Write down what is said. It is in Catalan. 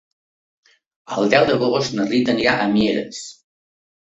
El deu d'agost na Rita anirà a Mieres.